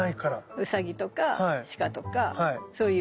ウサギとかシカとかそういう。